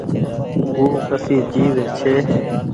او ڪسي چئيز ڇي۔